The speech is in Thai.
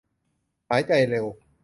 หายใจเร็ว